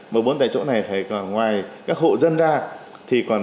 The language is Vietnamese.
mà bốn tại chỗ này phải ngoài các hộ dân ra